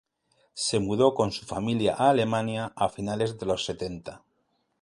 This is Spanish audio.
Se mudó con su familia a Alemania a finales de los setenta.